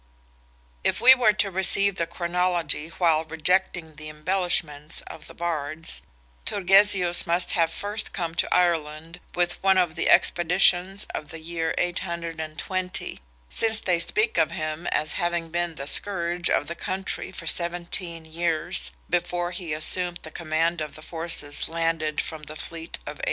If we were to receive the chronology while rejecting the embellishments of the Bards, Turgesius must have first come to Ireland with one of the expeditions of the year 820, since they speak of him as having been "the scourge of the country for seventeen years," before he assumed the command of the forces landed from the fleet of 837.